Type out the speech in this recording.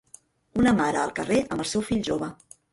Una mare al carrer amb el seu fill jove